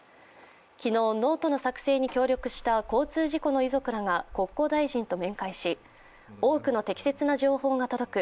昨日ノートの作成に協力した交通事故の遺族らが国交大臣と面会し、多くの適切な情報が届く。